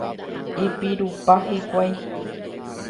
Ipirupa hikuái.